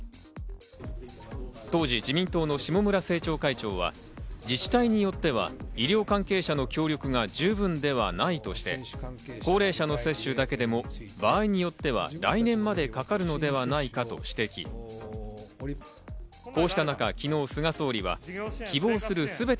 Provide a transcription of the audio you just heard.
当時、自民党の下村政調会長は自治体によっては医療関係者の協力が十分ではないとして、高齢者の接種だけでも場合によっては来年までかかるのではないかと指摘。